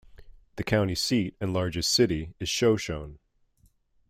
The county seat and largest city is Shoshone.